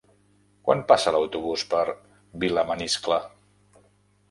Quan passa l'autobús per Vilamaniscle?